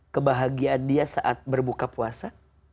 kebahagiaan dia saat berbuka puasa